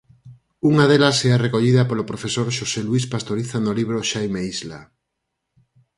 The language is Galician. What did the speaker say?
Unha delas é a recollida polo profesor Xosé Luís Pastoriza no libro Xaime Isla.